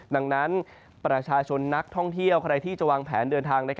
ดังนั้นประชาชนนักท่องเที่ยวใครที่จะวางแผนเดินทาง